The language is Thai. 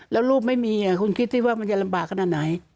แล้วลูกไม่มีคุณคิดสิว่ามันจะลำบากขนาดไหน